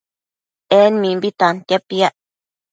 En mimbi tantia piac